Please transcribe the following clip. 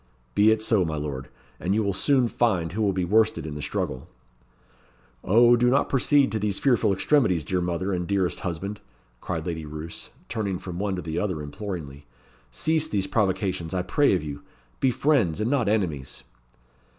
"Be it so, my lord. And you will soon find who will be worsted in the struggle." "Oh, do not proceed to these fearful extremities, dear mother, and dearest husband!" cried Lady Roos, turning from one to the other imploringly. "Cease these provocations, I pray of you. Be friends, and not enemies."